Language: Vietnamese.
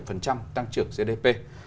phần trăm tăng trưởng gdp